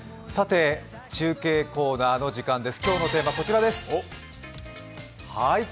中継コーナーの時間今日のテーマ、こちらです。